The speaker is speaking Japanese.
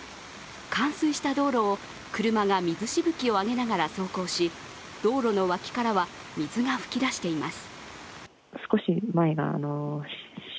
冠水した道路を車が水しぶきを上げながら走行し道路の脇からは水が噴き出しています。